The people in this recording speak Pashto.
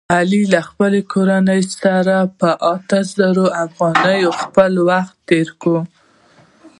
علي له خپلې کورنۍ سره په اته زره افغانۍ خپل وخت تېروي.